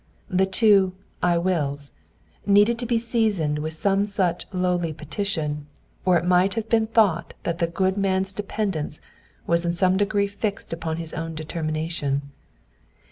The two, I wills " needed to be seasoned with some such lowly petition, or it might have been thought that the good man^B dependence was in some decree fixed upon his own determination.